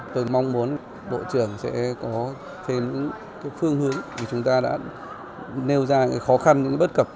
tôi mong muốn bộ trưởng sẽ có thêm phương hướng vì chúng ta đã nêu ra khó khăn những bất cập